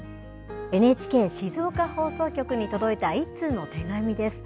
ＮＨＫ静岡放送局に届いた一通の手紙です。